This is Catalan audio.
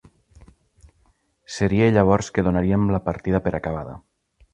Seria llavors que donaríem la partida per acabada.